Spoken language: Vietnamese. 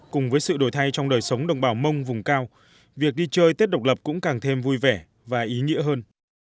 cùng với sự đổi thay trong đời sống đồng bào mông vùng cao việc đi chơi tết độc lập cũng càng thêm vui vẻ và ý nghĩa hơn